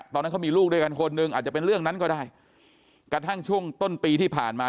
ตอนนั้นเขามีลูกด้วยกันคนหนึ่งอาจจะเป็นเรื่องนั้นก็ได้กระทั่งช่วงต้นปีที่ผ่านมา